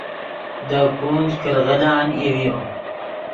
دے گونج کرغیلان ای ڤیو